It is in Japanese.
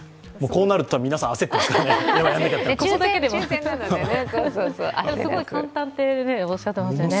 こうなると皆さん、焦ってますね抽選なのでね。